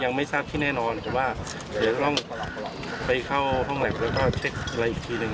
ยังไม่ทราบที่แน่นอนแต่ว่าเดี๋ยวต้องไปเข้าห้องแล็บแล้วก็เช็คอะไรอีกทีหนึ่ง